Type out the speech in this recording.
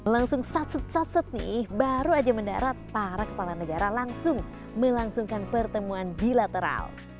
langsung satsut satsut nih baru aja mendarat para kepala negara langsung melangsungkan pertemuan bilateral